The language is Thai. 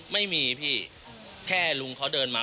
ไม่มีพี่แค่ลุงเขาเดินมา